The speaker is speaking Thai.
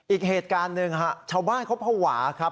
อีกเหตุการณ์หนึ่งฮะชาวบ้านเขาภาวะครับ